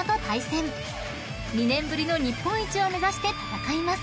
［２年ぶりの日本一を目指して戦います］